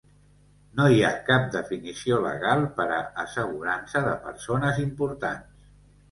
No hi ha cap definició legal per a "assegurança de persones importants".